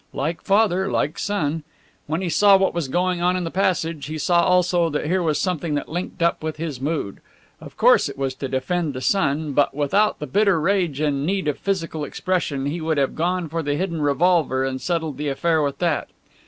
Like father, like son. When he saw what was going on in the passage he saw also that here was something that linked up with his mood. Of course it was to defend the son; but without the bitter rage and the need of physical expression he would have gone for the hidden revolver and settled the affair with that.